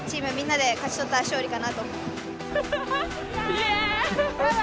イエーイ！